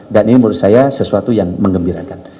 dan ini menurut saya sesuatu yang mengembirakan